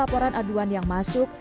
dan laporan laporan aduan yang masuk